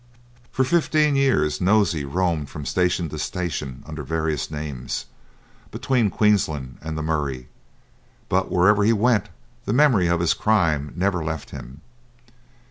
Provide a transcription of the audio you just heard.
For fifteen years Nosey roamed from station to station under various names, between Queensland and the Murray, but wherever he went, the memory of his crime never left him.